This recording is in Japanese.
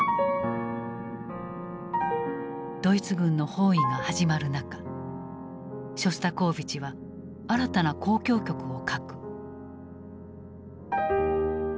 ドイツ軍の包囲が始まる中ショスタコーヴィチは新たな交響曲を書く。